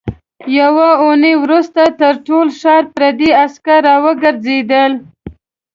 يوه اوونۍ وروسته تر ټول ښار پردي عسکر راوګرځېدل.